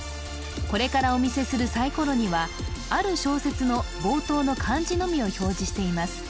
これからお見せするサイコロにはある小説の冒頭の漢字のみを表示しています